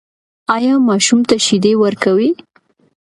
ایا ماشوم ته شیدې ورکوئ؟